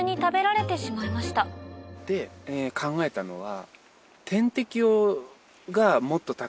で考えたのは。